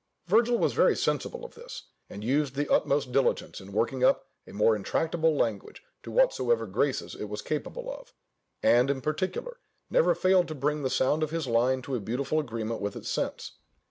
Virgil was very sensible of this, and used the utmost diligence in working up a more intractable language to whatsoever graces it was capable of, and, in particular, never failed to bring the sound of his line to a beautiful agreement with its sense.